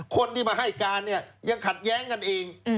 คนที่มาให้การเนี่ยยังขัดแย้งกันเอง